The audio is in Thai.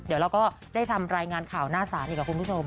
เดี๋ยวเราก็ได้ทำรายงานข่าวหน้าศาลดีกว่าคุณผู้ชม